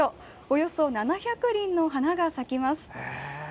およそ７００輪の花が咲きます。